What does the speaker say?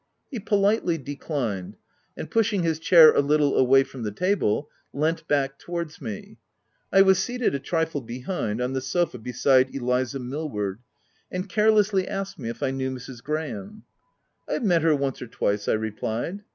He politely declined, and pushing his chair a little away from the table, leant back towards me — I was seated a trifle behind, on the sofa beside Eliza Mill ward — and carelessly asked me if I knew Mrs. Graham. 78 THE TENANT " I have met her once or twice," I replied.